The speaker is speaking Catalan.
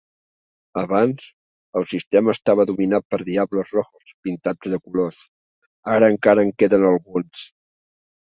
Abans, el sistema estava dominat per "diablos rojos" pintats de colors. Ara encara en queden alguns.